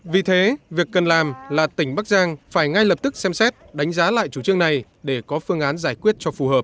vì thế việc cần làm là tỉnh bắc giang phải ngay lập tức xem xét đánh giá lại chủ trương này để có phương án giải quyết cho phù hợp